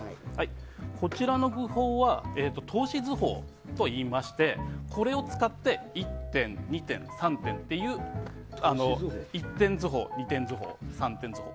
こちらの技法は透視図法といいましてこれを使って一点、二点、三点という一点図法、二点図法、三点図法